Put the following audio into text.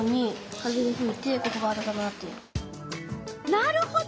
なるほど！